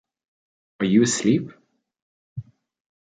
Are you asleep?